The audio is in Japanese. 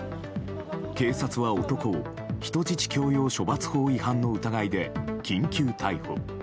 警察は男を人質強要処罰法違反の疑いで緊急逮捕。